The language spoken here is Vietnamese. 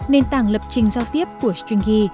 nền tảng lập trình giao tiếp của stringy